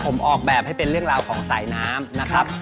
ผมออกแบบให้เป็นเรื่องราวของสายน้ำนะครับ